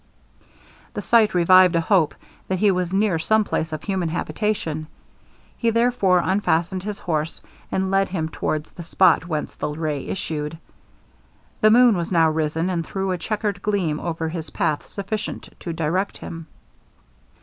The sight revived a hope that he was near some place of human habitation; he therefore unfastened his horse, and led him towards the spot whence the ray issued. The moon was now risen, and threw a checkered gleam over his path sufficient to direct him.